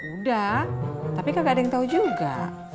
udah tapi nggak ada yang tahu juga